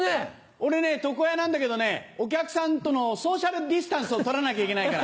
俺床屋なんだけどねお客さんとのソーシャルディスタンスを取らなきゃいけないから。